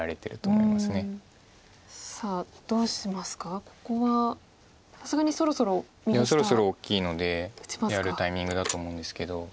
いやそろそろ大きいのでやるタイミングだと思うんですけど。